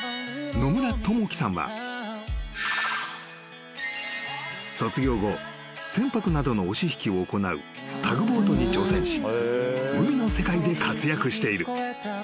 ［野村友輝さんは卒業後船舶などの押し引きを行うタグボートに乗船し海の世界で活躍している］